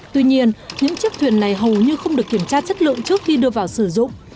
tuy nhiên những chiếc thuyền này hầu như không được kiểm tra chất lượng trước khi đưa vào sử dụng